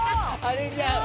あれじゃん！